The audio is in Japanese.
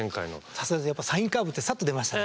さすがですねやっぱサインカーブってサッと出ましたね。